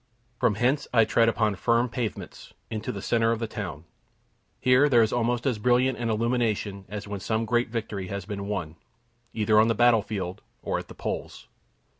From hence I tread upon firm pavements into the centre of the town. Here there is almost as brilliant an illumination as when some great victory has been won, either on the battle field or at the polls.